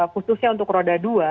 khususnya untuk roda dua